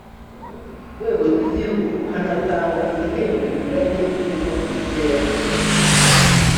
rwego rw igihugu hanatangwa ibihembo binyuranye birimo imipira yo gukina